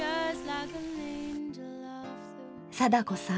貞子さん